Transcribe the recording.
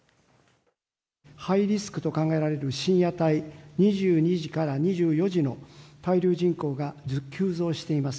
ハイリスクと考えられる深夜帯、２２時から２４時の滞留人口が急増しています。